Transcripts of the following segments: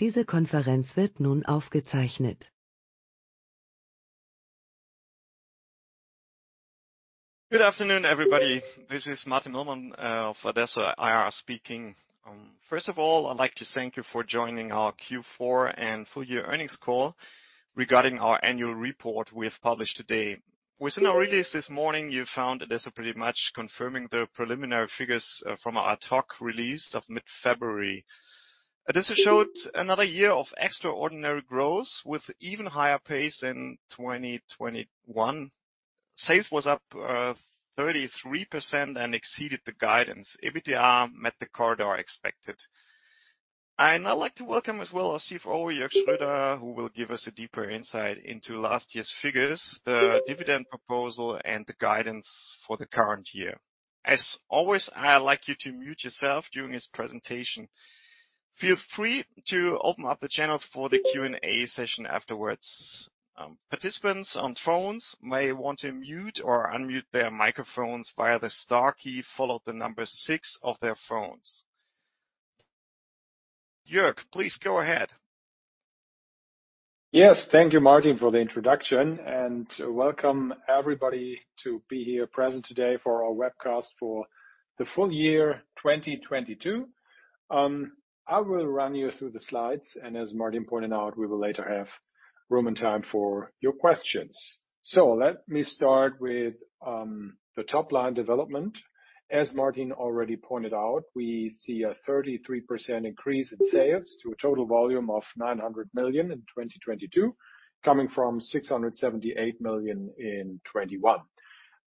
uncertain. Good afternoon, everybody. This is Martin Möllmann of adesso IR speaking. First of all, I'd like to thank you for joining our Q4 and full year earnings call regarding our annual report we have published today. Within our release this morning, you found adesso pretty much confirming the preliminary figures from our talk release of mid-February. adesso showed another year of extraordinary growth with even higher pace in 2021. Sales was up 33% and exceeded the guidance. EBITDA met the corridor expected. I now like to welcome as well our CFO, Jörg Schroeder, who will give us a deeper insight into last year's figures, the dividend proposal and the guidance for the current year. As always, I'd like you to mute yourself during his presentation. Feel free to open up the channel for the Q&A session afterwards. Participants on phones may want to mute or unmute their microphones via the star key, followed the number six of their phones. Jörg, please go ahead. Thank you, Martin, for the introduction. Welcome everybody to be here present today for our webcast for the full year 2022. I will run you through the slides and as Martin pointed out, we will later have room and time for your questions. Let me start with the top line development. As Martin already pointed out, we see a 33% increase in sales to a total volume of 900 million in 2022, coming from 678 million in 2021.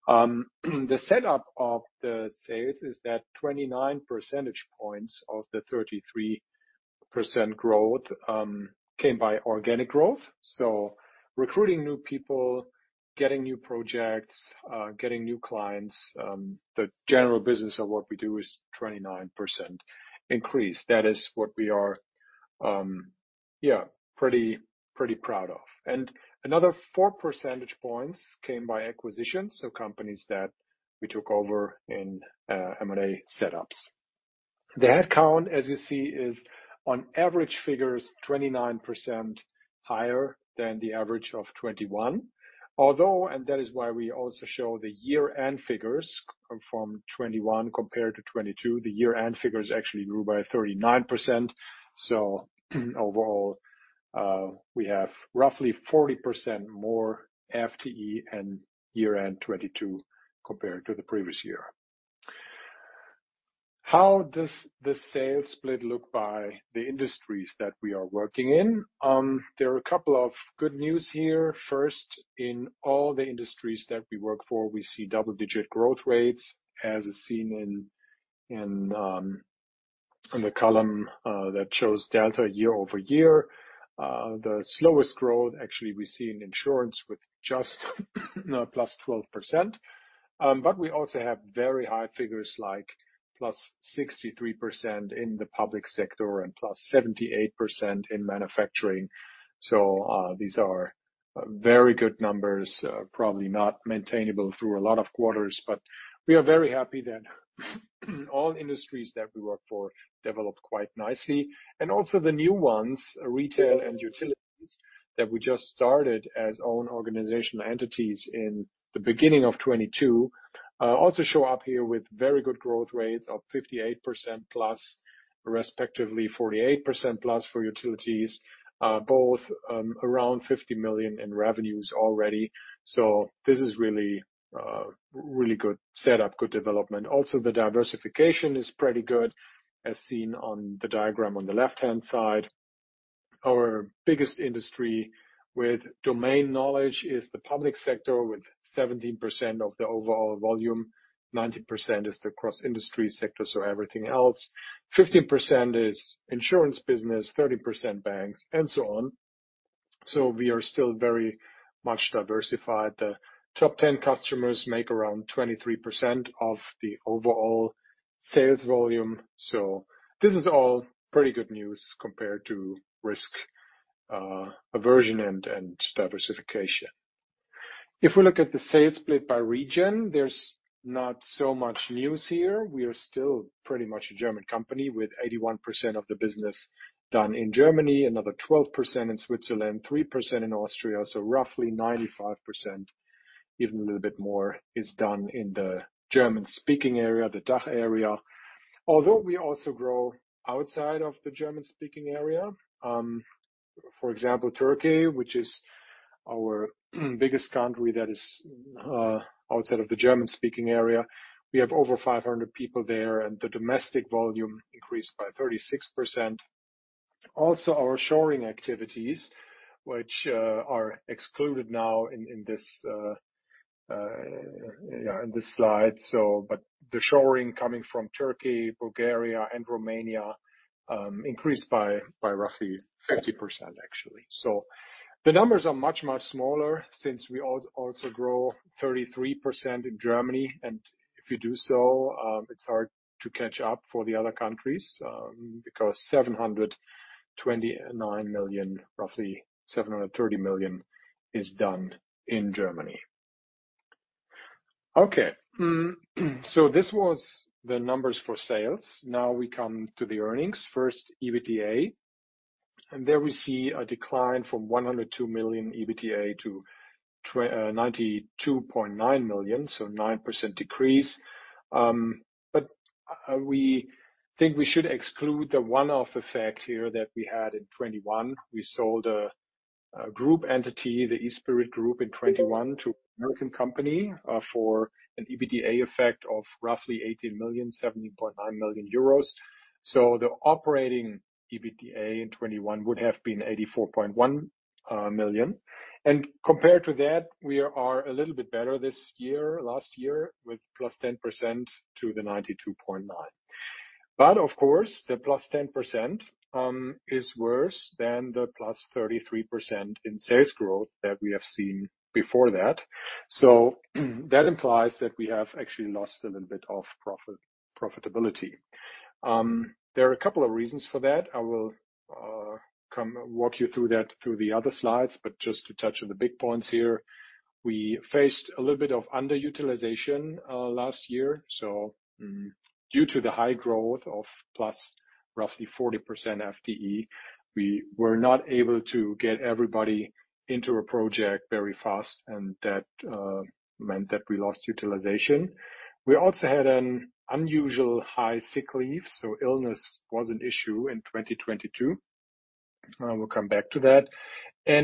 The setup of the sales is that 29 percentage points of the 33% growth came by organic growth. Recruiting new people, getting new projects, getting new clients, the general business of what we do is 29% increase. That is what we are, yeah, pretty proud of. Another 4 percentage points came by acquisitions, so companies that we took over in M&A setups. The headcount, as you see, is on average figures 29% higher than the average of 2021. Although, that is why we also show the year-end figures from 2021 compared to 2022, the year-end figures actually grew by 39%. Overall, we have roughly 40% more FTE in year-end 2022 compared to the previous year. How does the sales split look by the industries that we are working in? There are a couple of good news here. First, in all the industries that we work for, we see double-digit growth rates, as is seen in the column that shows delta year-over-year. The slowest growth actually we see in insurance with just +12%. We also have very high figures like +63% in the public sector and +78% in manufacturing. These are very good numbers, probably not maintainable through a lot of quarters, but we are very happy that all industries that we work for developed quite nicely. Also the new ones, retail and utilities, that we just started as own organizational entities in the beginning of 2022, also show up here with very good growth rates of 58%+ respectively 48%+ for utilities, both around 50 million in revenues already. This is really a really good setup, good development. Also, the diversification is pretty good, as seen on the diagram on the left-hand side. Our biggest industry with domain knowledge is the public sector with 17% of the overall volume. 90% is the cross-industry sector, so everything else. 15% is insurance business, 30% banks, and so on. We are still very much diversified. The top 10 customers make around 23% of the overall sales volume. This is all pretty good news compared to risk aversion and diversification. If we look at the sales split by region, there's not so much news here. We are still pretty much a German company with 81% of the business done in Germany, another 12% in Switzerland, 3% in Austria. Roughly 95%, even a little bit more, is done in the German-speaking area, the DACH area. Although we also grow outside of the German-speaking area, for example, Turkey, which is our biggest country that is outside of the German-speaking area. We have over 500 people there. The domestic volume increased by 36%. Our shoring activities, which are excluded now in this slide. But the shoring coming from Turkey, Bulgaria, and Romania increased by roughly 50%, actually. The numbers are much, much smaller since we also grow 33% in Germany. If you do so, it's hard to catch up for the other countries because 729 million, roughly 730 million is done in Germany. Okay. This was the numbers for sales. Now we come to the earnings. First, EBITDA. There we see a decline from 102 million EBITDA to 92.9 million, so 9% decrease. We think we should exclude the one-off effect here that we had in 2021. We sold a group entity, the e-Spirit group, in 2021 to an American company for an EBITDA effect of roughly 18 million, 17.9 million euros. The operating EBITDA in 2021 would have been 84.1 million. Compared to that, we are a little bit better this year, last year, with +10% to 92.9. Of course, the +10% is worse than the +33% in sales growth that we have seen before that. That implies that we have actually lost a little bit of profitability. There are a couple of reasons for that. I will come walk you through that through the other slides, but just to touch on the big points here, we faced a little bit of underutilization last year. Due to the high growth of plus roughly 40% FTE, we were not able to get everybody into a project very fast, and that meant that we lost utilization. We also had an unusual high sick leave, so illness was an issue in 2022. We'll come back to that.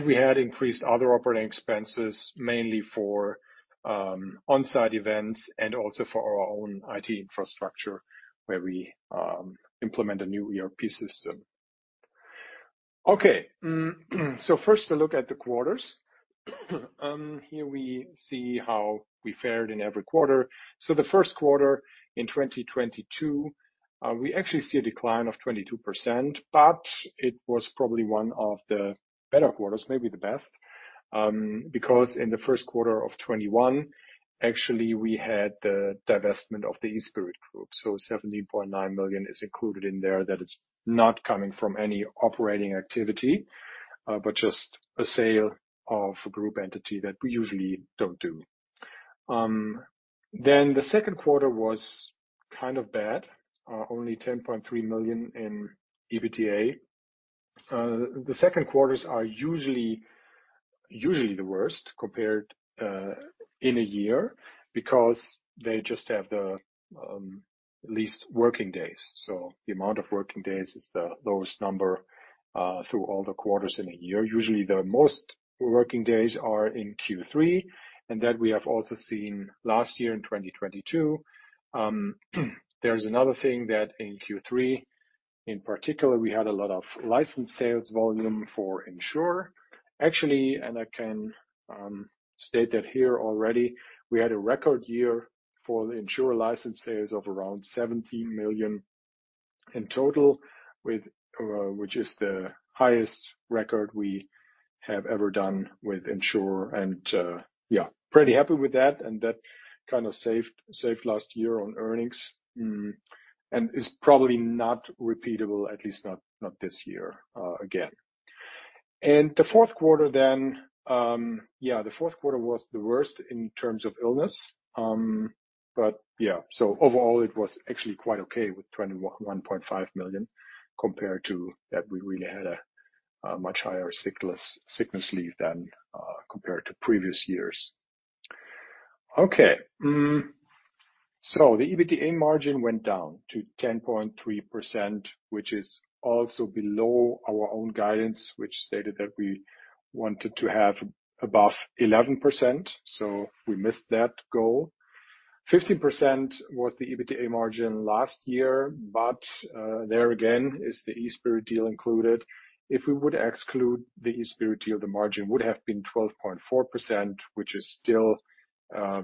We had increased other operating expenses, mainly for on-site events and also for our own IT infrastructure, where we implement a new ERP system. First a look at the quarters. Here we see how we fared in every quarter. The first quarter in 2022, we actually see a decline of 22%, it was probably one of the better quarters, maybe the best, because in the first quarter of 2021, actually we had the divestment of the e-Spirit group. 17.9 million is included in there that is not coming from any operating activity, just a sale of a group entity that we usually don't do. The second quarter was kind of bad, only 10.3 million in EBITDA. The second quarters are usually the worst compared in a year because they just have the least working days. The amount of working days is the lowest number through all the quarters in a year. Usually, the most working days are in Q3, and that we have also seen last year in 2022. There's another thing that in Q3 in particular, we had a lot of license sales volume for in|sure. Actually, I can state that here already, we had a record year for the in|sure license sales of around 17 million in total with which is the highest record we have ever done with in|sure and yeah, pretty happy with that. That kind of saved last year on earnings, and is probably not repeatable, at least not this year again. The fourth quarter then, yeah, the fourth quarter was the worst in terms of illness, but yeah. Overall, it was actually quite okay with 21.5 million compared to that we really had a much higher sickness leave than compared to previous years. Okay. The EBITDA margin went down to 10.3%, which is also below our own guidance, which stated that we wanted to have above 11%. We missed that goal. 15% was the EBITDA margin last year, but there again is the e-Spirit deal included. If we would exclude the e-Spirit deal, the margin would have been 12.4%, which is still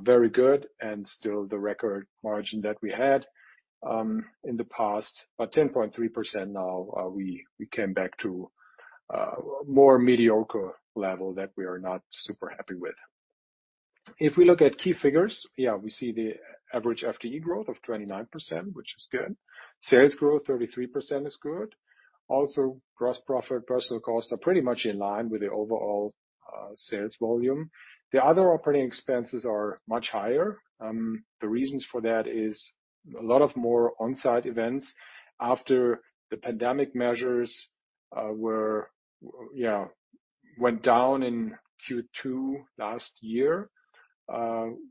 very good and still the record margin that we had in the past. 10.3% now, we came back to a more mediocre level that we are not super happy with. If we look at key figures, yeah, we see the average FTE growth of 29%, which is good. Sales growth, 33% is good. Gross profit, personal costs are pretty much in line with the overall sales volume. The other operating expenses are much higher. The reasons for that is a lot of more on-site events. After the pandemic measures, yeah, went down in Q2 last year,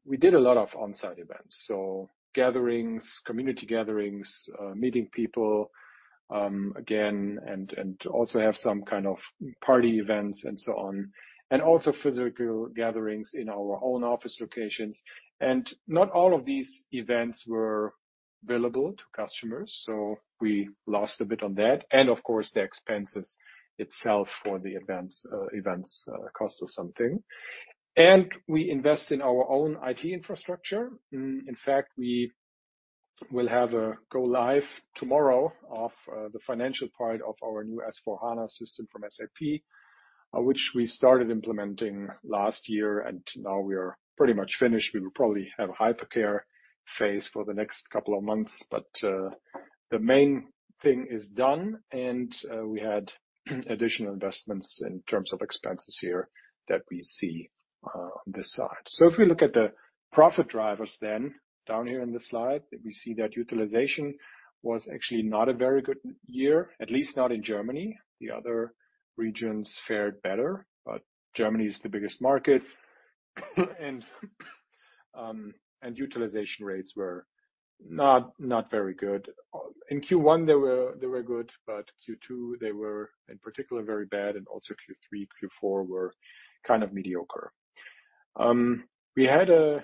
we did a lot of on-site events, so gatherings, community gatherings, meeting people again, and also have some kind of party events and so on, and also physical gatherings in our own office locations. Not all of these events were billable to customers, so we lost a bit on that. Of course, the expenses itself for the events cost us something. We invest in our own IT infrastructure. In fact, we will have a live tomorrow of the financial part of our new S/4HANA system from SAP, which we started implementing last year and now we are pretty much finished. We will probably have hypercare phase for the next couple of months. The main thing is done, and we had additional investments in terms of expenses here that we see on this side. If we look at the profit drivers then down here in the slide, we see that utilization was actually not a very good year, at least not in Germany. The other regions fared better, but Germany is the biggest market. Utilization rates were not very good. In Q1, they were good, but Q2 they were in particular very bad. Also Q3, Q4 were kind of mediocre. We had a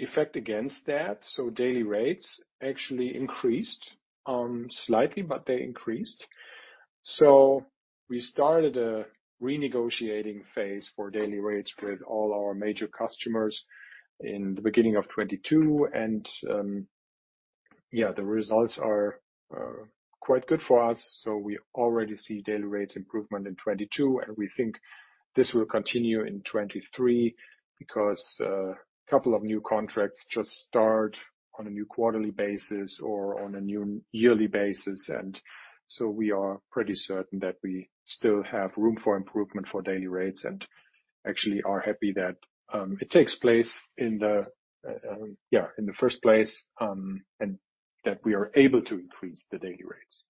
effect against that, so daily rates actually increased slightly, but they increased. We started a renegotiating phase for daily rates with all our major customers in the beginning of 2022. Yeah, the results are quite good for us. We already see daily rates improvement in 2022, and we think this will continue in 2023 because a couple of new contracts just start on a new quarterly basis or on a new yearly basis. We are pretty certain that we still have room for improvement for daily rates and actually are happy that it takes place in the yeah, in the first place, and that we are able to increase the daily rates.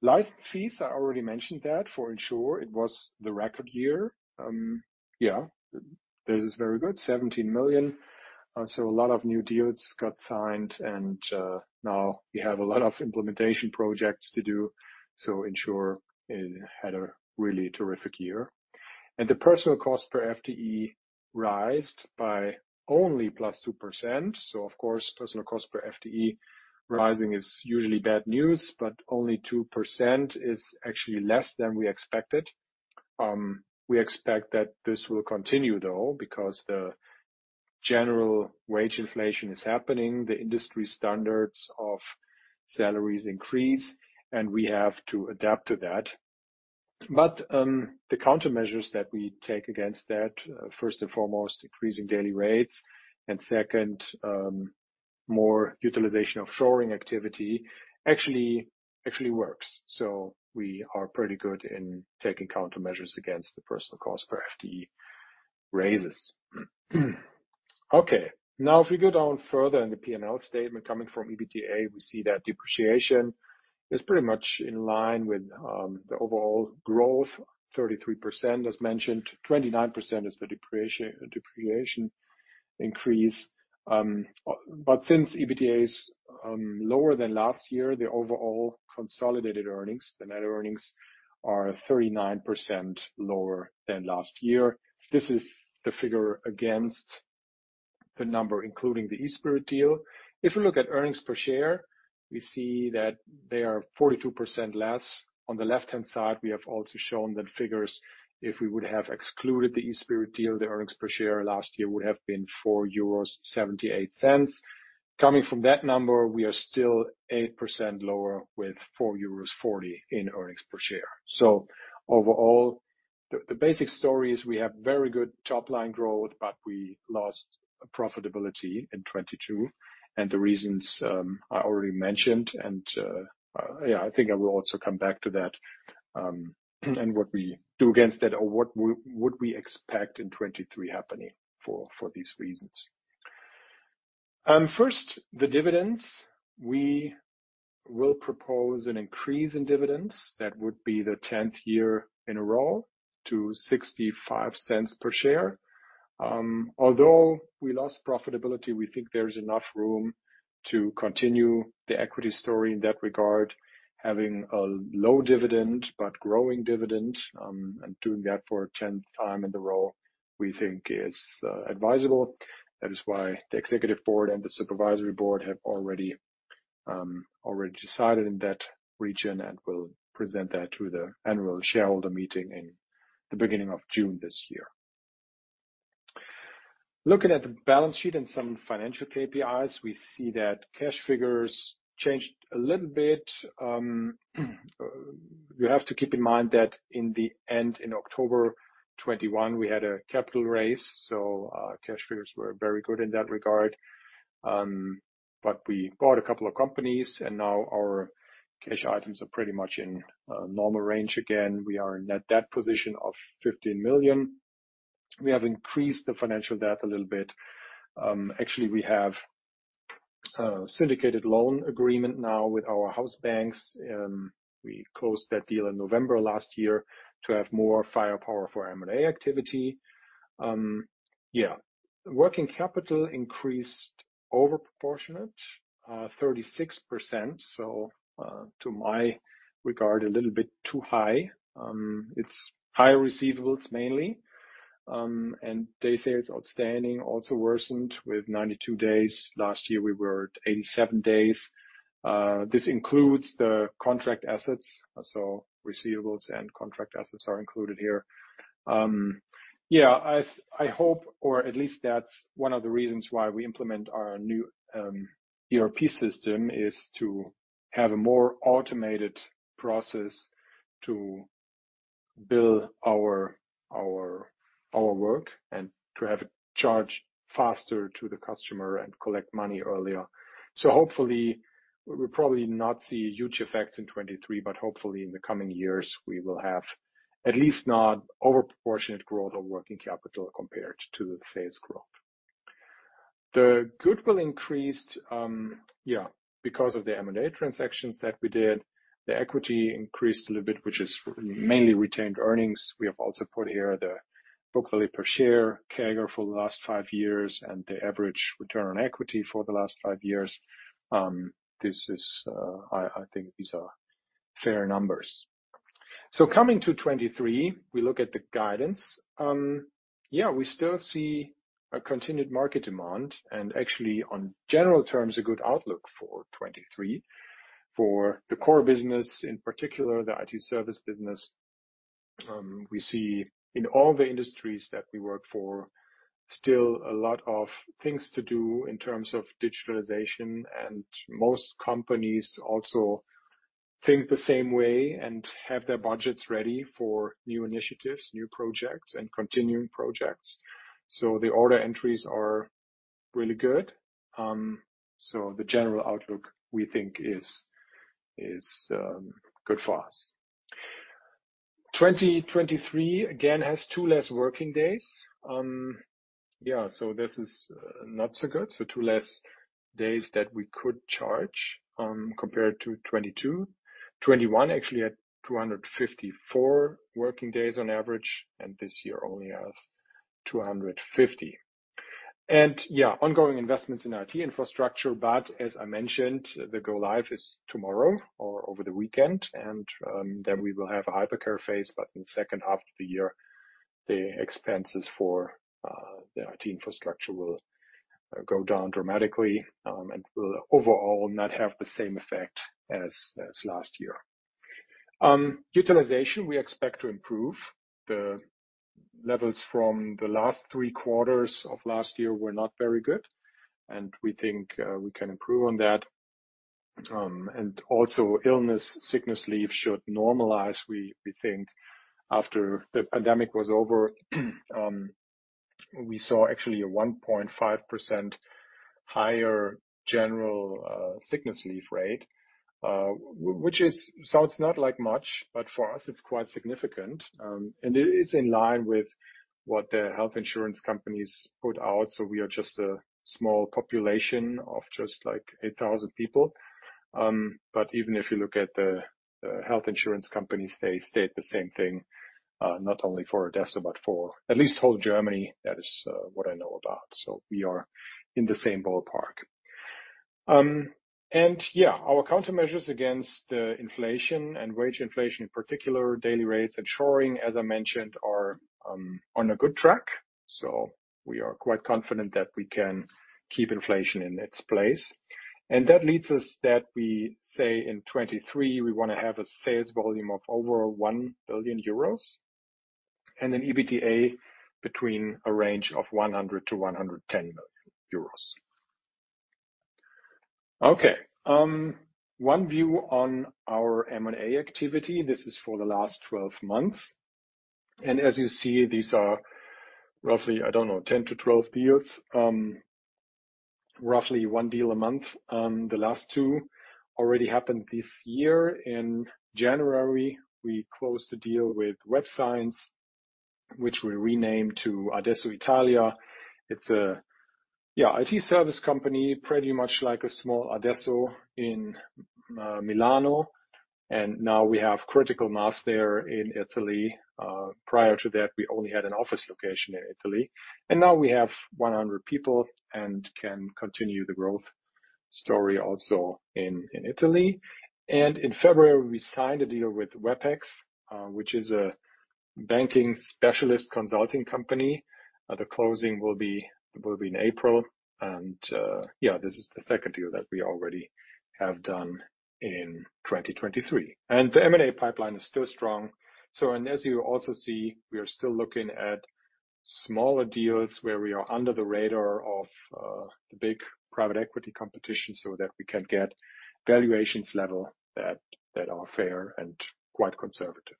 License fees, I already mentioned that for in|sure it was the record year. Yeah, this is very good. 17 million. A lot of new deals got signed and now we have a lot of implementation projects to do. In|sure, it had a really terrific year. The personal cost per FTE rised by only +2%. Of course, personal cost per FTE rising is usually bad news, but only 2% is actually less than we expected. We expect that this will continue though, because the general wage inflation is happening, the industry standards of salaries increase, and we have to adapt to that. The countermeasures that we take against that, first and foremost, increasing daily rates. Second, more utilization of shoring activity actually works. We are pretty good in taking countermeasures against the personal cost per FTE raises. If we go down further in the P&L statement coming from EBITDA, we see that depreciation is pretty much in line with the overall growth, 33% as mentioned. 29% is the depreciation increase. Since EBITDA is lower than last year, the overall consolidated earnings, the net earnings are 39% lower than last year. This is the figure against the number including the e-Spirit deal. If we look at earnings per share, we see that they are 42% less. On the left-hand side, we have also shown that figures, if we would have excluded the e-Spirit deal, the earnings per share last year would have been 4.78 euros. Coming from that number, we are still 8% lower with 4.40 euros in earnings per share. Overall, the basic story is we have very good top line growth, but we lost profitability in 2022. The reasons I already mentioned. Yeah, I think I will also come back to that and what we do against that or what we expect in 2023 happening for these reasons. First, the dividends. We will propose an increase in dividends. That would be the 10th year in a row to 0.65 per share. Although we lost profitability, we think there's enough room to continue the equity story in that regard. Having a low dividend but growing dividend and doing that for a tenth time in a row, we think is advisable. That is why the executive board and the supervisory board have already decided in that region and will present that to the annual shareholder meeting in the beginning of June this year. Looking at the balance sheet and some financial KPIs, we see that cash figures changed a little bit. You have to keep in mind that in the end, in October 2021, we had a capital raise, cash figures were very good in that regard. We bought a couple of companies and now our cash items are pretty much in normal range again. We are in net debt position of 15 million. We have increased the financial debt a little bit. Actually, we have a syndicated loan agreement now with our house banks. We closed that deal in November last year to have more firepower for M&A activity. Yeah. Working capital increased over proportionate, 36%. To my regard, a little bit too high. It's higher receivables mainly, and day sales outstanding also worsened with 92 days. Last year we were at 87 days. This includes the contract assets. Receivables and contract assets are included here. Yeah, I hope, or at least that's one of the reasons why we implement our new ERP system, is to have a more automated process to bill our work and to have it charged faster to the customer and collect money earlier. Hopefully, we'll probably not see huge effects in 2023, but hopefully in the coming years, we will have at least not over proportionate growth of working capital compared to the sales growth. The goodwill increased because of the M&A transactions that we did. The equity increased a little bit, which is mainly retained earnings. We have also put here the book value per share CAGR for the last five years and the average return on equity for the last five years. This is, I think these are fair numbers. Coming to 23, we look at the guidance. Yeah, we still see a continued market demand and actually on general terms, a good outlook for 23. For the core business, in particular, the IT service business, we see in all the industries that we work for, still a lot of things to do in terms of digitalization, and most companies also think the same way and have their budgets ready for new initiatives, new projects, and continuing projects. The order entries are really good. The general outlook, we think is good for us. 2023, again, has two less working days. This is not so good. Two less days that we could charge, compared to 2022. 2021 actually had 254 working days on average, and this year only has 250. Ongoing investments in IT infrastructure, but as I mentioned, the go live is tomorrow or over the weekend. Then we will have a hypercare phase. In the second half of the year, the expenses for the IT infrastructure will go down dramatically, and will overall not have the same effect as last year. Utilization, we expect to improve. The levels from the last three quarters of last year were not very good, and we think, we can improve on that. Illness, sickness leave should normalize. We think after the pandemic was over, we saw actually a 1.5% higher general sickness leave rate, which is sounds not like much, but for us, it's quite significant. It is in line with what the health insurance companies put out. We are just a small population of just like 8,000 people. Even if you look at the health insurance companies, they state the same thing, not only for adesso, but for at least whole Germany. That is what I know about. We are in the same ballpark. Yeah, our countermeasures against the inflation and wage inflation, in particular, daily rates and shoring, as I mentioned, are on a good track. We are quite confident that we can keep inflation in its place. That leads us that we say in 2023, we wanna have a sales volume of over 1 billion euros and an EBITDA between a range of 100 million-110 million euros. Okay. One view on our M&A activity. This is for the last 12 months. As you see, these are roughly, I don't know, 10-12 deals, roughly 1 deal a month. The last two already happened this year. In January, we closed the deal with WebScience, which we renamed to adesso Italia. It's a IT service company, pretty much like a small adesso in Milano. Now we have critical mass there in Italy. Prior to that, we only had an office location in Italy. Now we have 100 people and can continue the growth story also in Italy. In February, we signed a deal with WEPEX, which is a banking specialist consulting company. The closing will be in April. Yeah, this is the second deal that we already have done in 2023. The M&A pipeline is still strong. As you also see, we are still looking at smaller deals where we are under the radar of the big private equity competition so that we can get valuations level that are fair and quite conservative.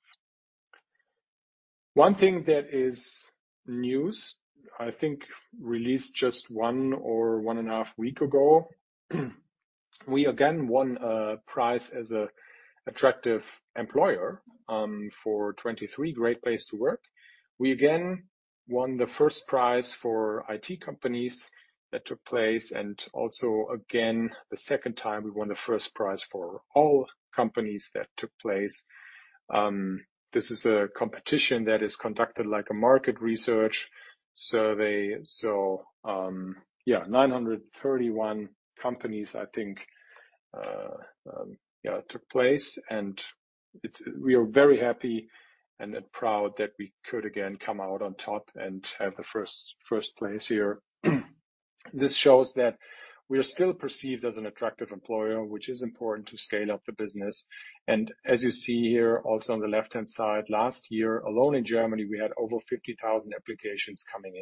One thing that is news, I think released just one or one and a half week ago, we again won a prize as an attractive employer for 2023 Great Place to Work. We again won the first prize for IT companies that took place. Also again, the second time, we won the first prize for all companies that took place. This is a competition that is conducted like a market research survey. 931 companies, I think, took place. We are very happy and proud that we could again come out on top and have the first place here. This shows that we are still perceived as an attractive employer, which is important to scale up the business. As you see here also on the left-hand side, last year alone in Germany, we had over 50,000 applications coming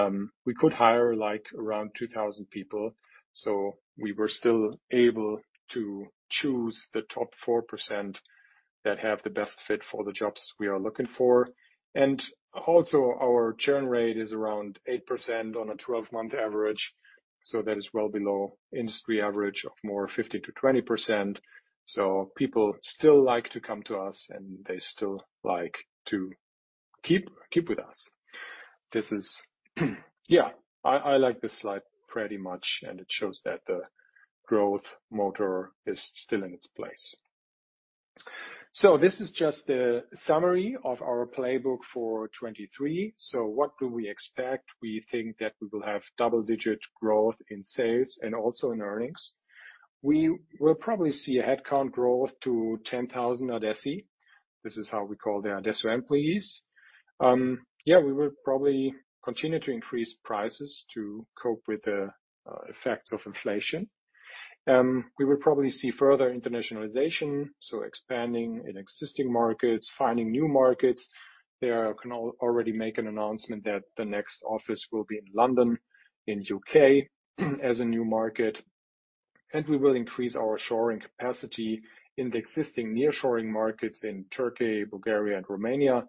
in. We could hire like around 2,000 people, we were still able to choose the top 4% that have the best fit for the jobs we are looking for. Our churn rate is around 8% on a 12-month average, that is well below industry average of more 15%-20%. People still like to come to us, and they still like to keep with us. This is... Yeah, I like this slide pretty much, and it shows that the growth motor is still in its place. This is just a summary of our playbook for 2023. What do we expect? We think that we will have double-digit growth in sales and also in earnings. We will probably see a headcount growth to 10,000 adessi. This is how we call the adessi employees. Yeah, we will probably continue to increase prices to cope with the effects of inflation. We will probably see further internationalization, so expanding in existing markets, finding new markets. There I can already make an announcement that the next office will be in London, in UK, as a new market. We will increase our shoring capacity in the existing nearshoring markets in Turkey, Bulgaria and Romania.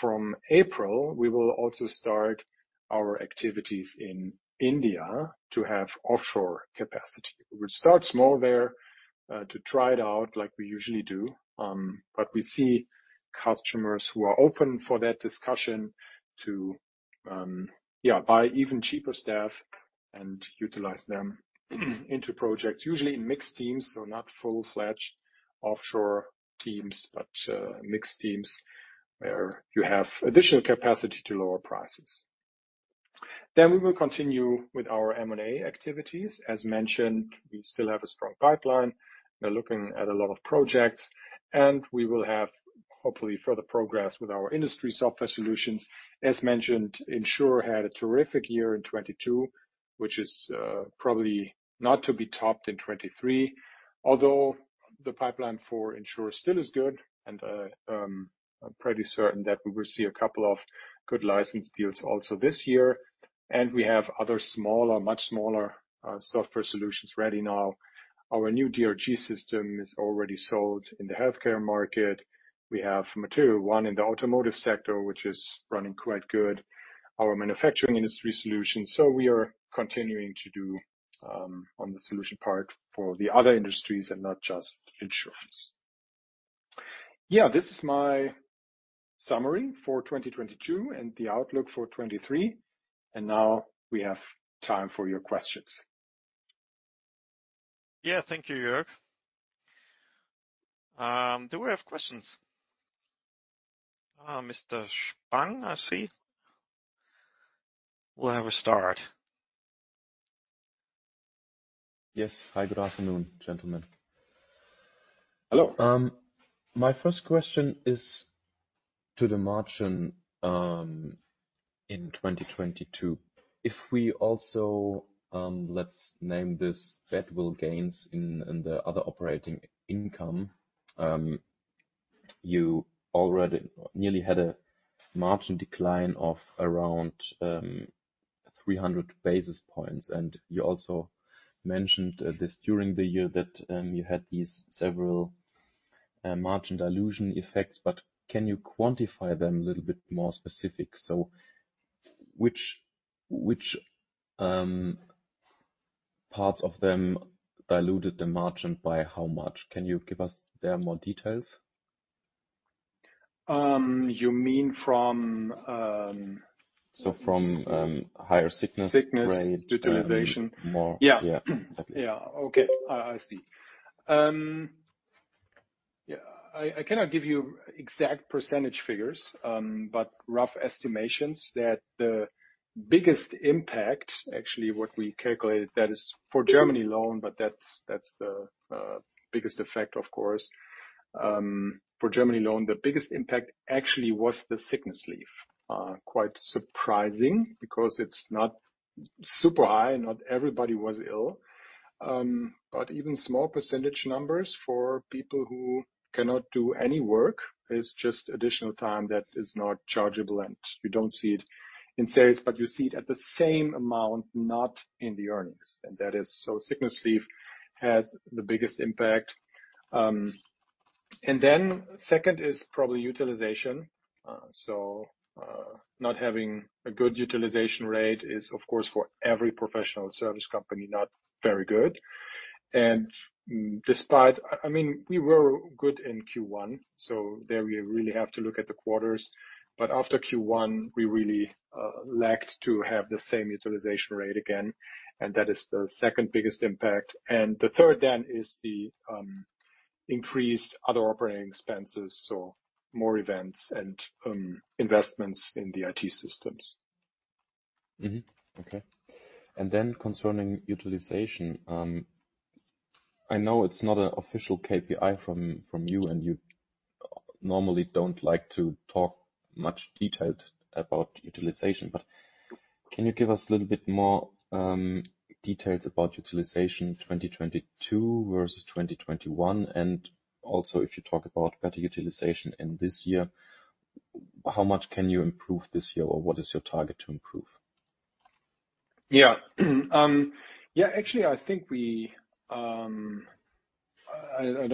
From April, we will also start our activities in India to have offshore capacity. We'll start small there to try it out like we usually do. We see customers who are open for that discussion to, yeah, buy even cheaper staff and utilize them into projects, usually in mixed teams, so not full-fledged offshore teams, but mixed teams where you have additional capacity to lower prices. We will continue with our M&A activities. As mentioned, we still have a strong pipeline. We're looking at a lot of projects, and we will have, hopefully, further progress with our industry software solutions. As mentioned, in|sure had a terrific year in 2022, which is probably not to be topped in 2023. Although, the pipeline for in|sure still is good and, I'm pretty certain that we will see a couple of good license deals also this year. We have other smaller, much smaller, software solutions ready now. Our new DRG system is already sold in the healthcare market. We have material.one in the automotive sector, which is running quite good. Our manufacturing industry solution. We are continuing to do on the solution part for the other industries and not just insurance. This is my summary for 2022 and the outlook for 2023. Now we have time for your questions. Yeah. Thank you, Jörg. Do we have questions? Mr. Spang, I see. We'll have a start. Yes. Hi, good afternoon, gentlemen. Hello. My first question is to the margin in 2022. If we also, let's name this goodwill gains in the other operating income. You already nearly had a margin decline of around 300 basis points. You also mentioned this during the year that you had these several margin dilution effects, but can you quantify them a little bit more specific? Which parts of them diluted the margin by how much? Can you give us there more details? you mean from? From higher. Sickness -rate, - Utilization. More. Yeah. Yeah. Exactly. Okay. I see. I cannot give you exact percentage figures, rough estimations that the biggest impact, actually what we calculated, that is for Germany alone, that's the biggest effect, of course. For Germany alone, the biggest impact actually was the sickness leave. Quite surprising because it's not super high. Not everybody was ill. Even small percentage numbers for people who cannot do any work is just additional time that is not chargeable, and you don't see it in sales. You see it at the same amount, not in the earnings. That is... Sickness leave has the biggest impact. Second is probably utilization. Not having a good utilization rate is, of course, for every professional service company not very good. Despite... I mean, we were good in Q1, there we really have to look at the quarters. After Q1, we really lacked to have the same utilization rate again, and that is the second biggest impact. The third then is the increased other operating expenses, so more events and investments in the IT systems. Okay. Concerning utilization, I know it's not an official KPI from you, and you normally don't like to talk much detailed about utilization, but can you give us a little bit more details about utilization 2022 versus 2021? Also, if you talk about better utilization in this year, how much can you improve this year, or what is your target to improve? Yeah. Yeah, actually I think we don't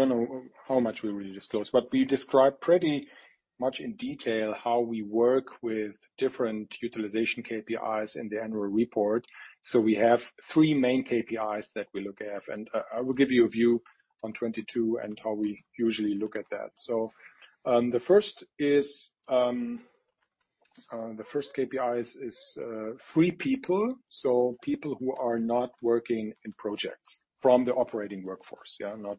know how much we really disclose, but we describe pretty much in detail how we work with different utilization KPIs in the annual report. We have three main KPIs that we look at. I will give you a view on 2022 and how we usually look at that. The first is the first KPI is free people, so people who are not working in projects from the operating workforce. Not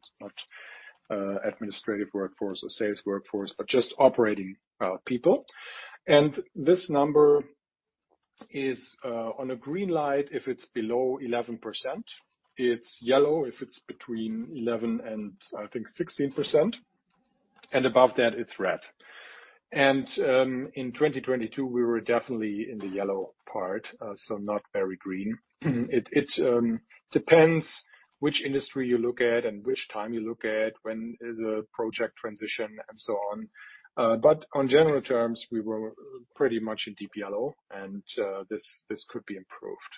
administrative workforce or sales workforce, but just operating people. This number is on a green light if it's below 11%. It's yellow if it's between 11% and, I think, 16%. Above that it's red. In 2022, we were definitely in the yellow part, so not very green. It depends which industry you look at and which time you look at, when is a project transition and so on. But on general terms, we were pretty much in deep yellow, and this could be improved.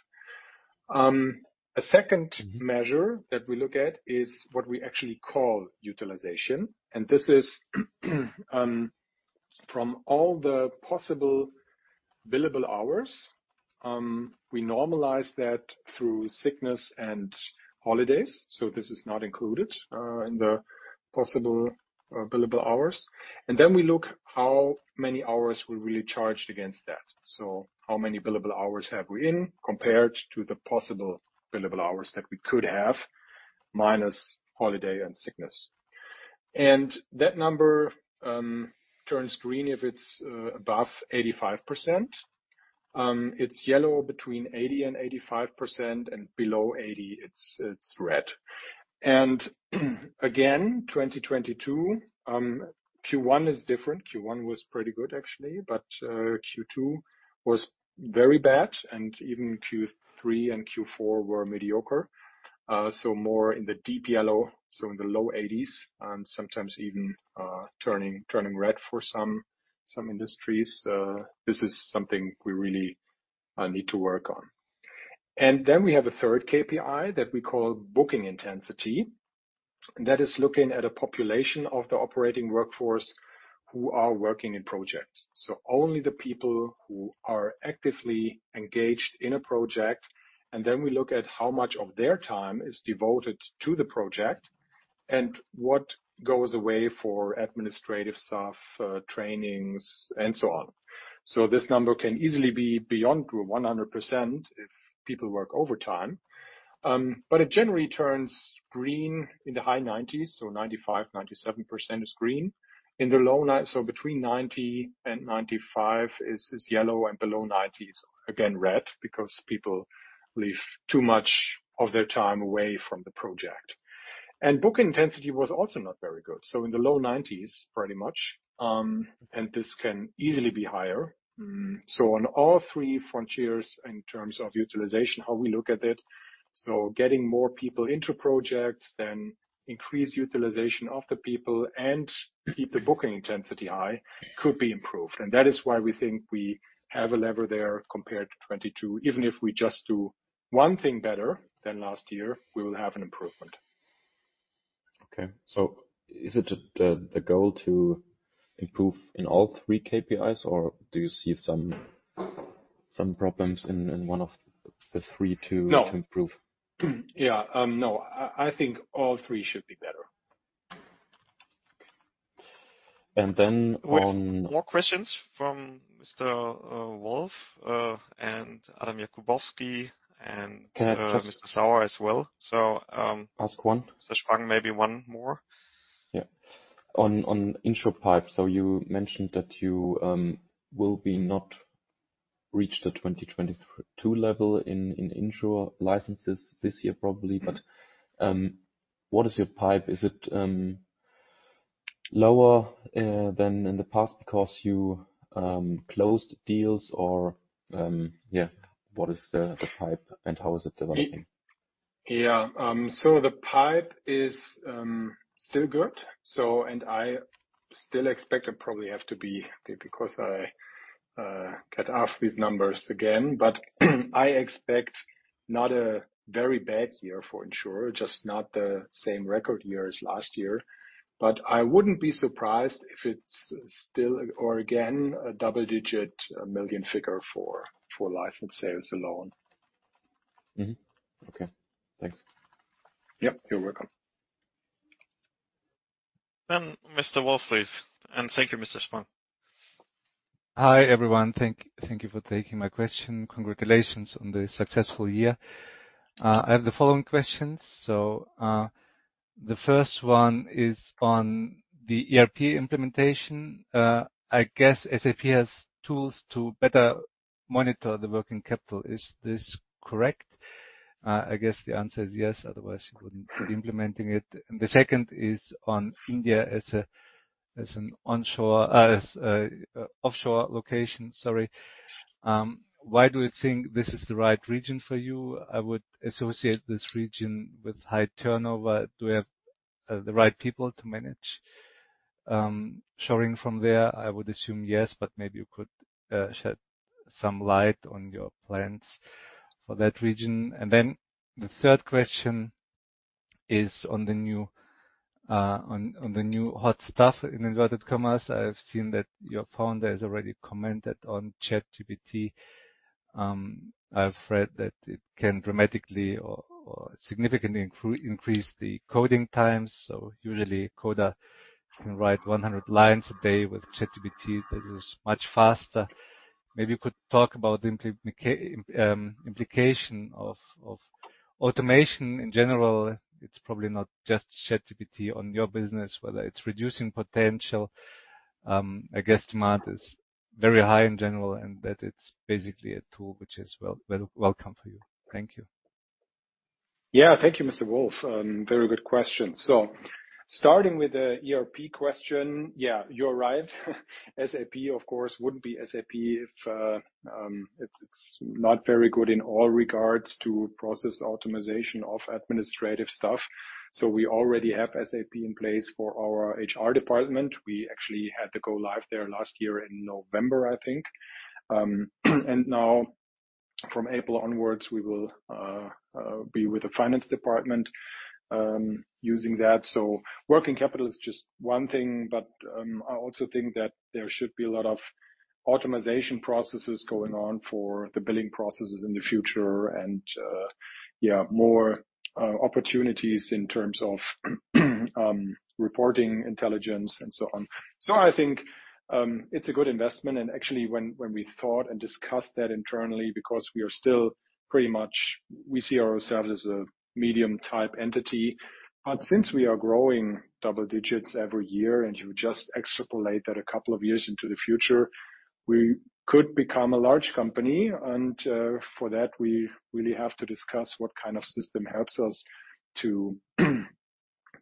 A second measure that we look at is what we actually call utilization. This is from all the possible billable hours. We normalize that through sickness and holidays, so this is not included in the possible billable hours. Then we look how many hours we really charged against that. So how many billable hours have we in compared to the possible billable hours that we could have, minus holiday and sickness. That number turns green if it's above 85%. It's yellow between 80% and 85%, and below 80%, it's red. Again, 2022, Q1 is different. Q1 was pretty good actually, Q2 was very bad, even Q3 and Q4 were mediocre. More in the deep yellow, in the low eighties, sometimes even turning red for some industries. This is something we really need to work on. Then we have a third KPI that we call booking intensity. That is looking at a population of the operating workforce who are working in projects. Only the people who are actively engaged in a project, then we look at how much of their time is devoted to the project, what goes away for administrative stuff, trainings and so on. This number can easily be beyond 100% if people work overtime. It generally turns green in the high 90s, so 95, 97% is green. Between 90 and 95 is yellow, and below 90 is again red because people leave too much of their time away from the project. Booking intensity was also not very good. In the low 90s, pretty much. This can easily be higher. On all three frontiers in terms of utilization, how we look at it. Getting more people into projects, increase utilization of the people and keep the booking intensity high could be improved. That is why we think we have a lever there compared to 22. Even if we just do one thing better than last year, we will have an improvement. Okay. Is it the goal to improve in all three KPIs, or do you see some problems in one of the three? No. to improve? Yeah. No. I think all three should be better. And then on- We have more questions from Mr. Wolf, and Adam Jakubowski. Can I just- Mr. Sauer as well. Ask one. Mr. Spang, maybe one more. Yeah. On intro pipe. You mentioned that you will be not reach the 2022 level in intro licenses this year, probably. What is your pipe? Is it lower than in the past because you closed deals or? Yeah, what is the pipe and how is it developing? Yeah. The pipe is, still good. I still expect it probably have to be, because I get asked these numbers again. I expect not a very bad year for in|sure, just not the same record year as last year. I wouldn't be surprised if it's still or again a EUR double-digit million figure for license sales alone. Okay. Thanks. Yep, you're welcome. Mr. Wolf, please. Thank you, Mr. Spang. Hi, everyone. Thank you for taking my question. Congratulations on the successful year. I have the following questions. The first one is on the ERP implementation. I guess SAP has tools to better monitor the working capital. Is this correct? I guess the answer is yes, otherwise you wouldn't be implementing it. The second is on India as an offshore location. Sorry. Why do you think this is the right region for you? I would associate this region with high turnover. Do we have the right people to manage? Showing from there, I would assume yes, but maybe you could shed some light on your plans for that region. The third question is on the new hot stuff in inverted commas. I have seen that your founder has already commented on ChatGPT. I've read that it can dramatically or significantly increase the coding times. Usually, a coder can write 100 lines a day with ChatGPT. That is much faster. Maybe you could talk about the implication of automation in general. It's probably not just ChatGPT on your business, whether it's reducing potential. I guess demand is very high in general, and that it's basically a tool which is welcome for you. Thank you. Thank you, Mr. Wolf. Very good question. Starting with the ERP question, you're right. SAP, of course, wouldn't be SAP if it's not very good in all regards to process optimization of administrative stuff. We already have SAP in place for our HR department. We actually had to go live there last year in November, I think. Now from April onwards, we will be with the finance department using that. Working capital is just one thing, I also think that there should be a lot of automation processes going on for the billing processes in the future and more opportunities in terms of reporting intelligence and so on. I think it's a good investment. Actually when we thought and discussed that internally because we are still pretty much. We see ourselves as a medium type entity. Since we are growing double digits every year, and you just extrapolate that a couple of years into the future, we could become a large company. For that, we really have to discuss what kind of system helps us to,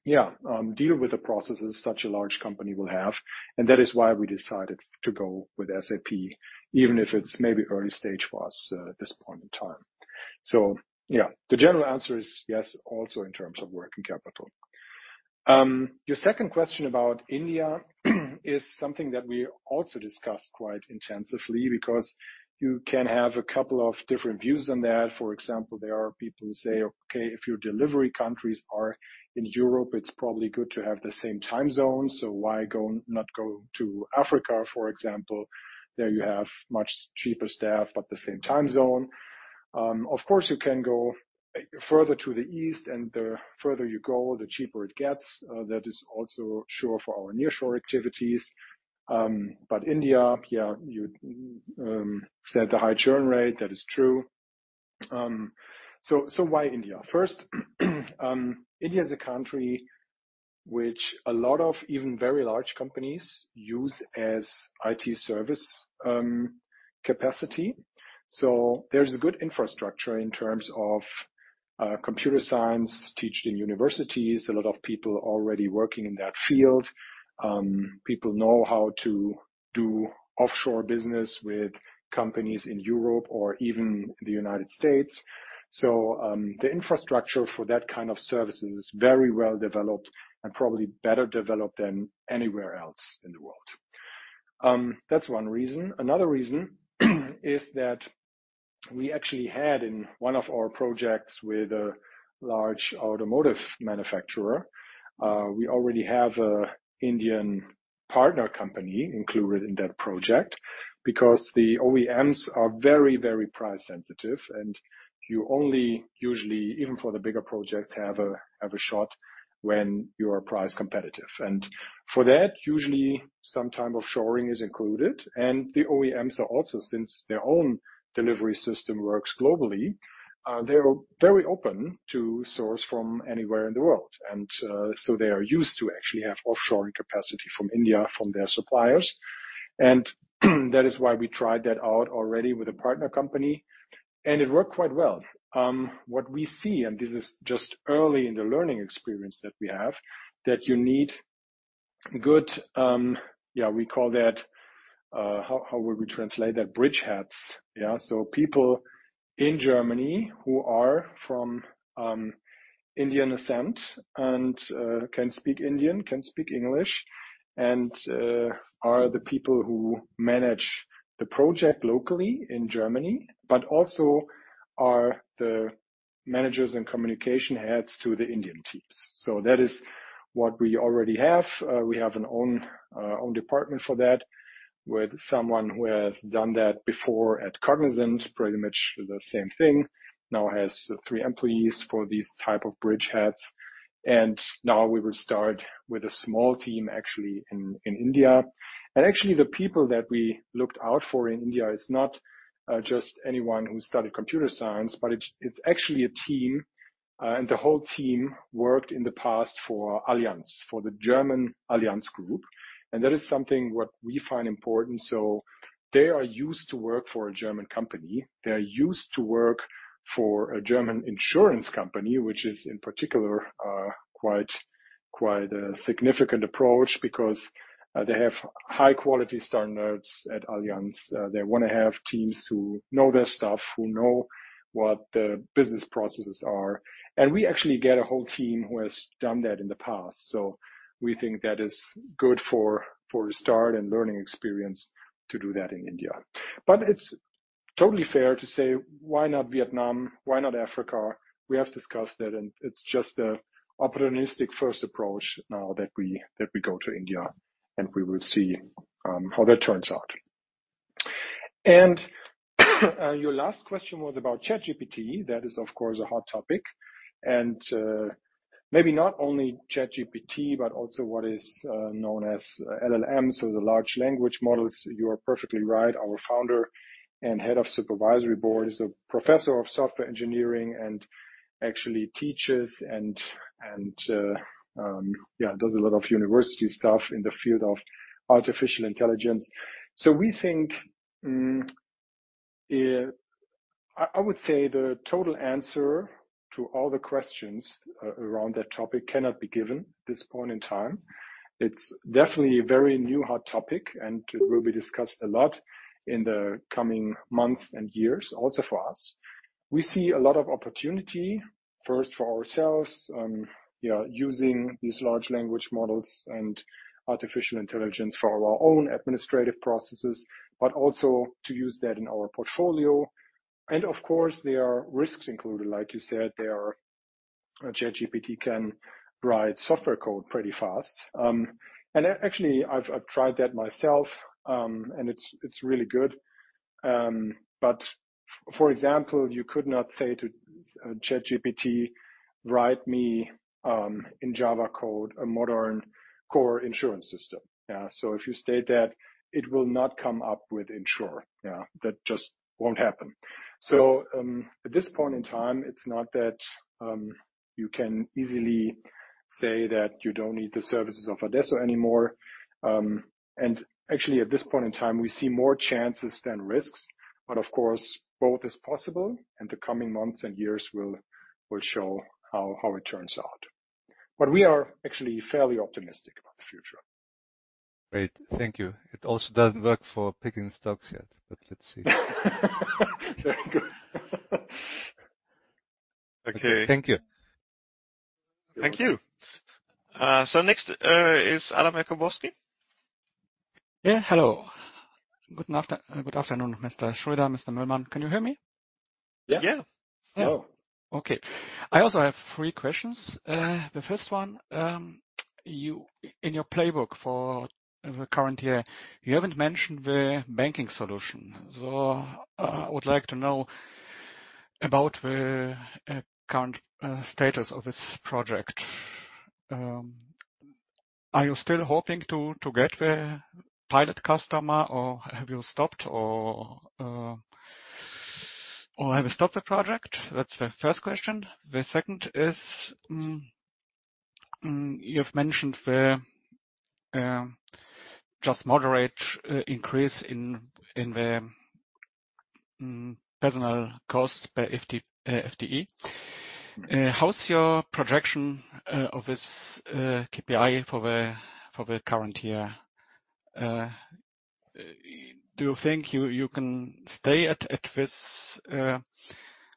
yeah, deal with the processes such a large company will have. That is why we decided to go with SAP, even if it's maybe early stage for us at this point in time. Yeah, the general answer is yes, also in terms of working capital. Your second question about India is something that we also discussed quite intensively because you can have a couple of different views on that. For example, there are people who say, "Okay, if your delivery countries are in Europe, it's probably good to have the same time zone. Why go, not go to Africa, for example? There you have much cheaper staff, but the same time zone." Of course, you can go further to the east, and the further you go, the cheaper it gets. That is also sure for our nearshore activities. India, yeah, you said the high churn rate. That is true. Why India? First, India is a country which a lot of even very large companies use as IT service capacity. There's a good infrastructure in terms of computer science taught in universities, a lot of people already working in that field. People know how to do offshore business with companies in Europe or even the United States. The infrastructure for that kind of service is very well developed and probably better developed than anywhere else in the world. That's one reason. Another reason, is that we actually had in one of our projects with a large automotive manufacturer, we already have a Indian partner company included in that project because the OEMs are very, very price sensitive, and you only usually, even for the bigger projects, have a shot when you are price competitive. For that, usually some type of shoring is included. The OEMs are also, since their own delivery system works globally, they're very open to source from anywhere in the world. They are used to actually have offshoring capacity from India, from their suppliers. That is why we tried that out already with a partner company, and it worked quite well. What we see, and this is just early in the learning experience that we have, that you need good, we call that, how would we translate that? Bridgeheads. People in Germany who are from Indian ascent and can speak Indian, can speak English, and are the people who manage the project locally in Germany, but also are the managers and communication heads to the Indian teams. That is what we already have. We have an own own department for that with someone who has done that before at Cognizant, pretty much the same thing. Now has three employees for these type of bridgeheads. Now we will start with a small team actually in India. Actually the people that we looked out for in India is not just anyone who studied computer science, but it's actually a team. The whole team worked in the past for Allianz, for the German Allianz Group. That is something what we find important. They are used to work for a German company. They are used to work for a German insurance company, which is in particular, quite a significant approach because they have high quality standards at Allianz. They wanna have teams who know their stuff, who know what the business processes are. We actually get a whole team who has done that in the past. We think that is good for a start and learning experience to do that in India. It's totally fair to say, why not Vietnam? Why not Africa? We have discussed that, and it's just a opportunistic first approach now that we go to India, and we will see how that turns out. Your last question was about ChatGPT. That is, of course, a hot topic and maybe not only ChatGPT, but also what is known as LLMs, so the large language models. You are perfectly right. Our founder and head of supervisory board is a professor of software engineering and actually teaches and does a lot of university stuff in the field of artificial intelligence. We think, I would say the total answer to all the questions around that topic cannot be given at this point in time. It's definitely a very new hot topic, and it will be discussed a lot in the coming months and years also for us. We see a lot of opportunity, first for ourselves, yeah, using these large language models and artificial intelligence for our own administrative processes, but also to use that in our portfolio. Of course, there are risks included. Like you said, ChatGPT can write software code pretty fast. Actually, I've tried that myself, and it's really good. For example, you could not say to ChatGPT, write me in Java code, a modern core insurance system. Yeah. If you state that, it will not come up with in|sure. Yeah. That just won't happen. At this point in time, it's not that you can easily say that you don't need the services of adesso anymore. Actually at this point in time, we see more chances than risks. Of course, both is possible, and the coming months and years will show how it turns out. We are actually fairly optimistic about the future. Great. Thank you. It also doesn't work for picking stocks yet, but let's see. Very good. Okay. Thank you. Thank you. Next, is Adam Jakubowski. Yeah, hello. Good afternoon, Mr. Schröder, Mr. Möllmann. Can you hear me? Yeah. Yeah. Hello. Okay. I also have three questions. The first one, in your playbook for the current year, you haven't mentioned the Banking Solution. I would like to know about the current status of this project. Are you still hoping to get the pilot customer, or have you stopped the project? That's the first question. The second is, you've mentioned the just moderate increase in the personal costs per FTE. How's your projection of this KPI for the current year? Do you think you can stay at this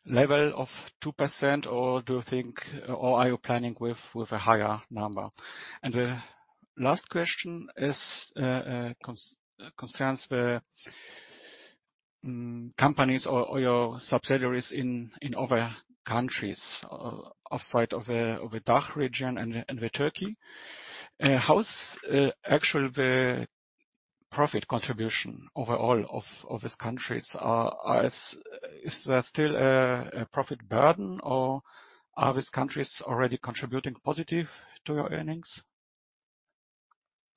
level of 2%, or are you planning with a higher number? The last question is concerns the companies or your subsidiaries in other countries outside of the DACH region and Turkey. How's actual the profit contribution overall of these countries? Is there still a profit burden or are these countries already contributing positive to your earnings?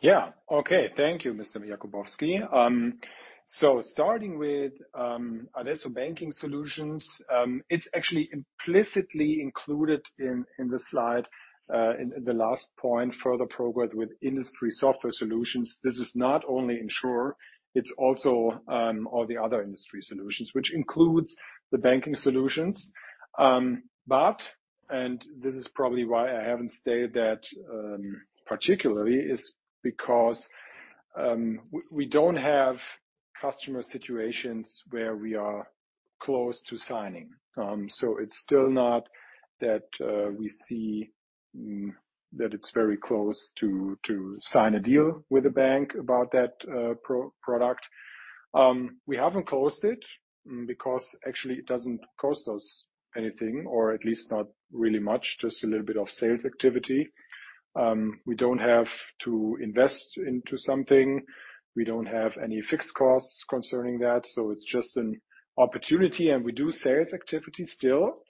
Yeah. Okay. Thank you, Mr. Jakubowski. Starting with adesso banking solutions, it's actually implicitly included in the slide, in the last point, further progress with industry software solutions. This is not only in|sure, it's also all the other industry solutions, which includes the banking solutions. This is probably why I haven't stated that particularly, is because we don't have customer situations where we are close to signing. It's still not that we see that it's very close to sign a deal with a bank about that product. We haven't closed it because actually it doesn't cost us anything, or at least not really much, just a little bit of sales activity. We don't have to invest into something. We don't have any fixed costs concerning that, so it's just an opportunity, and we do sales activity still,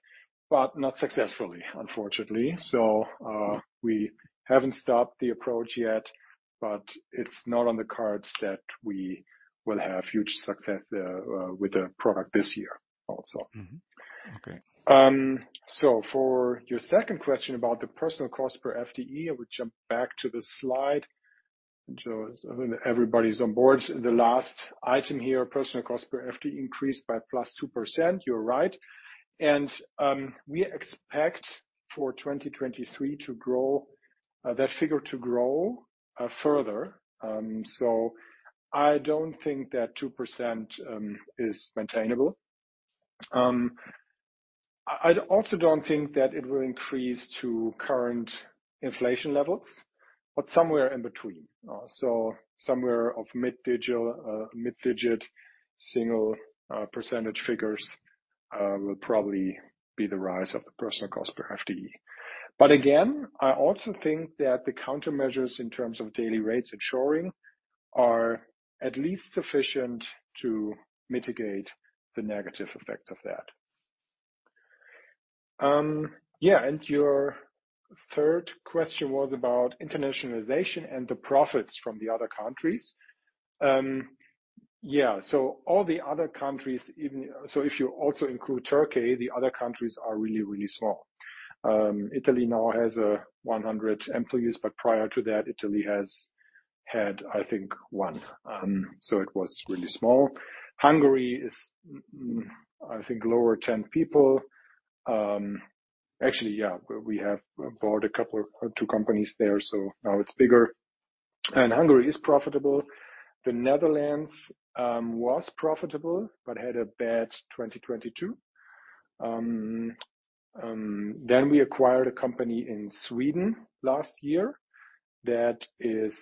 but not successfully, unfortunately. We haven't stopped the approach yet, but it's not on the cards that we will have huge success there with the product this year also. Okay. For your second question about the personal cost per FTE, I will jump back to the slide so everybody's on board. The last item here, personal cost per FTE increased by +2%. You're right. We expect for 2023 that figure to grow further. I don't think that 2% is maintainable. I also don't think that it will increase to current inflation levels, but somewhere in between. Somewhere of mid-digit single percentage figures will probably be the rise of the personal cost per FTE. I also think that the countermeasures in terms of daily rates and shoring are at least sufficient to mitigate the negative effects of that. Your third question was about internationalization and the profits from the other countries. All the other countries, even... If you also include Turkey, the other countries are really, really small. Italy now has 100 employees, but prior to that, Italy has had, I think, 1. It was really small. Hungary is, I think, lower 10 people. Actually, yeah, we have bought two companies there, so now it's bigger. Hungary is profitable. The Netherlands was profitable, but had a bad 2022. We acquired a company in Sweden last year that is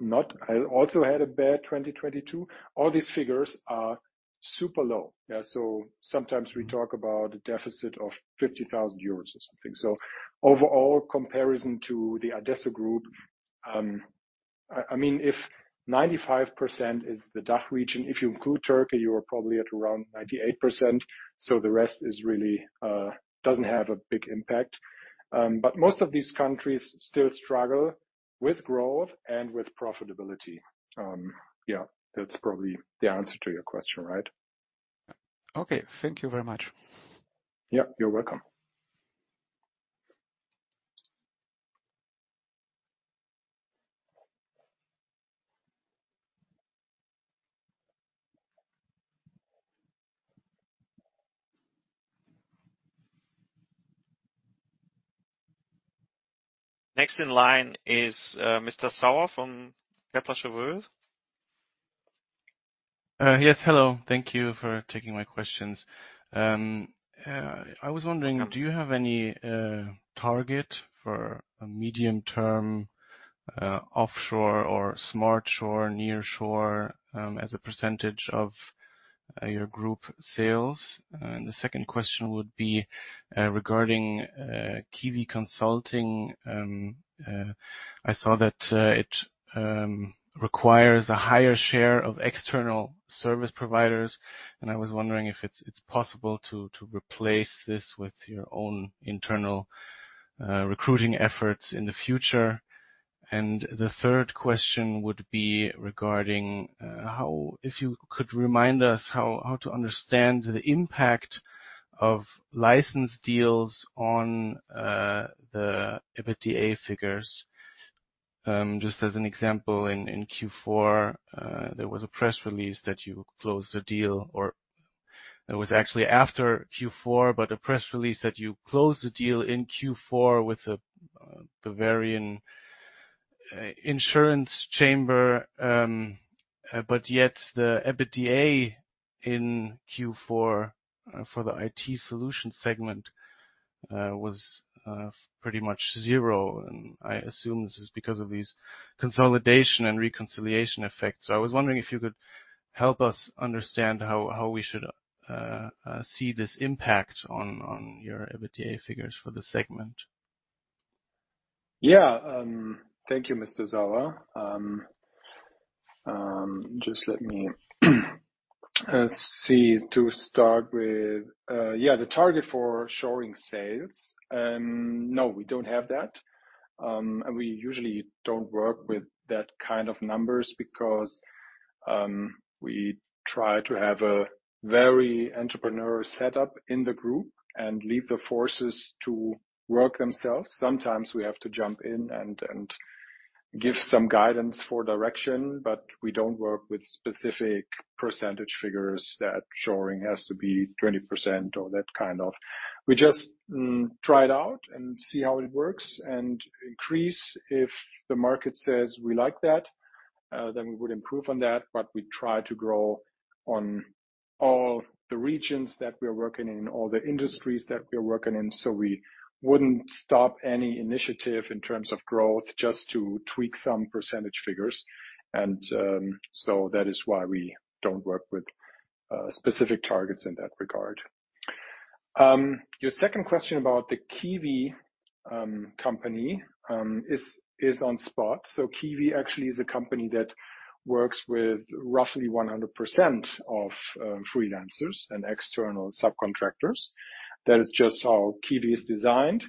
not... It also had a bad 2022. All these figures are super low. Yeah, sometimes we talk about a deficit of 50,000 euros or something. Overall comparison to the adesso Group, if 95% is the DACH region, if you include Turkey, you are probably at around 98%. The rest is really, doesn't have a big impact. Most of these countries still struggle with growth and with profitability. Yeah, that's probably the answer to your question, right? Okay. Thank you very much. Yeah, you're welcome. Next in line is Mr. Sauer from Yes. Hello. Thank you for taking my questions. I was wondering, do you have any target for a medium-term offshore or SmartShore, nearshore, as a percentage of your group sales? The second question would be regarding KIWI Consulting. I saw that it requires a higher share of external service providers, and I was wondering if it's possible to replace this with your own internal recruiting efforts in the future. The third question would be regarding if you could remind us how to understand the impact of license deals on the EBITDA figures. Just as an example, in Q4, there was a press release that you closed the deal, or it was actually after Q4, but a press release that you closed the deal in Q4 with the Versicherungskammer Bayern. Yet the EBITDA in Q4 for the IT solution segment was pretty much zero. I assume this is because of these consolidation and reconciliation effects. I was wondering if you could help us understand how we should see this impact on your EBITDA figures for the segment? Yeah. Thank you, Mr. Sauer. Just let me see. To start with, yeah, the target for shoring sales. No, we don't have that. We usually don't work with that kind of numbers because we try to have a very entrepreneurial setup in the group and leave the forces to work themselves. Sometimes we have to jump in and give some guidance for direction, but we don't work with specific percentage figures that shoring has to be 20% or that kind of... We just try it out and see how it works and increase. If the market says we like that, then we would improve on that. We try to grow on all the regions that we are working in, all the industries that we are working in. We wouldn't stop any initiative in terms of growth just to tweak some percentage figures. That is why we don't work with specific targets in that regard. Your second question about the KIWI company is on spot. KIWI actually is a company that works with roughly 100% of freelancers and external subcontractors. That is just how KIWI is designed.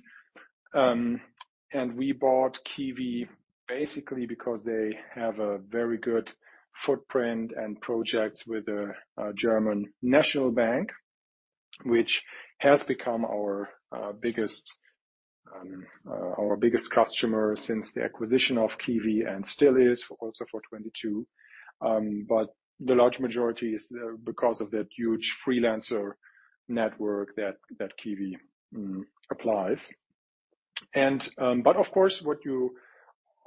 We bought KIWI basically because they have a very good footprint and projects with the German National Bank, which has become our biggest customer since the acquisition of KIWI and still is also for 2022. But the large majority is because of that huge freelancer network that KIWI Consulting applies. Of course, what you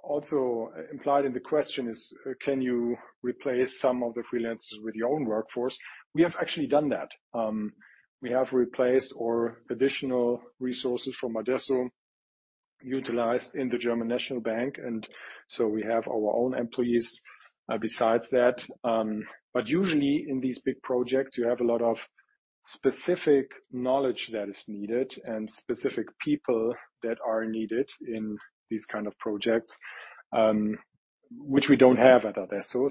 also implied in the question is, can you replace some of the freelancers with your own workforce? We have actually done that. We have replaced or additional resources from adesso utilized in the German National Bank. We have our own employees besides that. Usually in these big projects, you have a lot of specific knowledge that is needed and specific people that are needed in these kind of projects, which we don't have at adesso.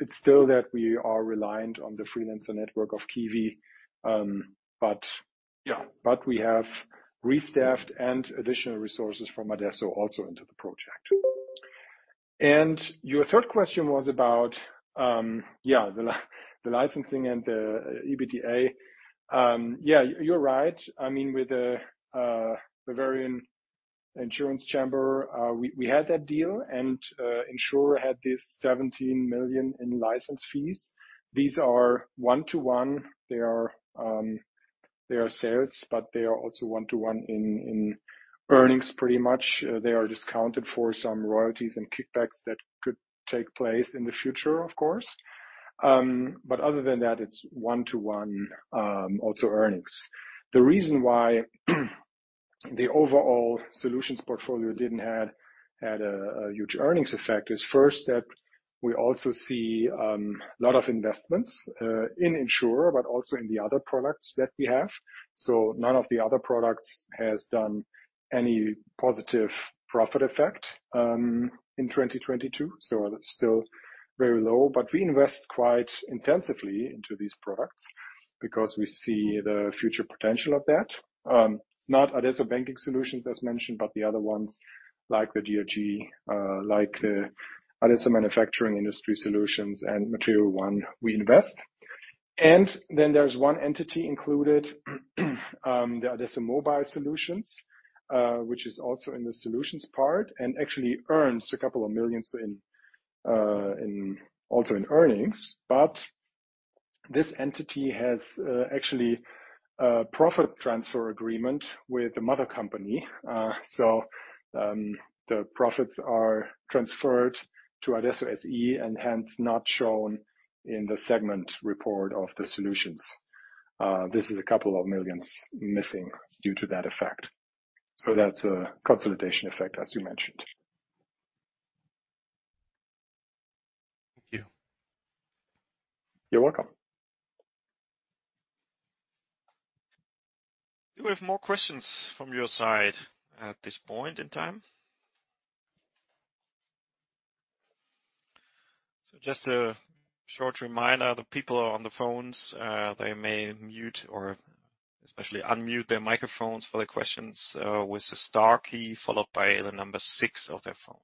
It's still that we are reliant on the freelancer network of KIWI Consulting. Yeah, we have restaffed and additional resources from adesso also into the project. Your third question was about, yeah, the licensing and the EBITDA. Yeah, you're right. I mean, with the Bavarian Insurance Chamber, we had that deal. in|sure had this 17 million in license fees. These are one-to-one. They are sales, but they are also one-to-one in earnings pretty much. They are discounted for some royalties and kickbacks that could take place in the future, of course. Other than that, it's one-to-one also earnings. The reason why the overall solutions portfolio didn't had a huge earnings effect is first that we also see lot of investments in in|sure, but also in the other products that we have. None of the other products has done any positive profit effect in 2022, so that's still very low. We invest quite intensively into these products because we see the future potential of that. Not adesso banking solutions, as mentioned, but the other ones like the DOG, like the adesso manufacturing industry solutions and material.one, we invest. There's one entity included, the adesso mobile solutions, which is also in the solutions part and actually earns a couple of millions also in earnings. This entity has actually a profit transfer agreement with the mother company. The profits are transferred to adesso SE and hence not shown in the segment report of the solutions. This is a couple of millions missing due to that effect. That's a consolidation effect as you mentioned. Thank you. You're welcome. Do we have more questions from your side at this point in time? Just a short reminder, the people on the phones, they may mute or especially unmute their microphones for the questions with the star key, followed by the number six of their phones.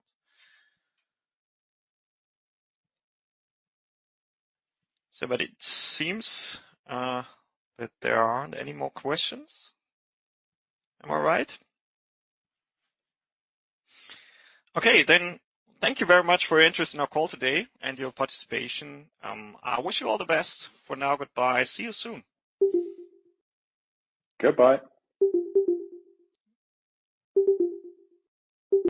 It seems that there aren't any more questions. Am I right? Okay. Thank you very much for your interest in our call today and your participation. I wish you all the best. For now, goodbye. See you soon. Goodbye.